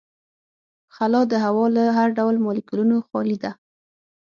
خلا د هوا له هر ډول مالیکولونو خالي ده.